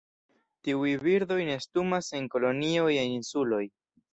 Tiuj birdoj nestumas en kolonioj en insuloj.